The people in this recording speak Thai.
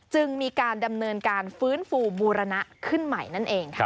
จึงมีการดำเนินการฟื้นฟูบูรณะขึ้นใหม่นั่นเองค่ะ